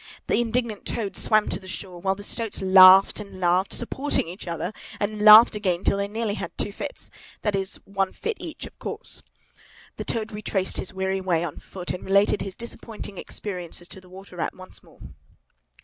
The indignant Toad swam to shore, while the stoats laughed and laughed, supporting each other, and laughed again, till they nearly had two fits—that is, one fit each, of course. The Toad retraced his weary way on foot, and related his disappointing experiences to the Water Rat once more.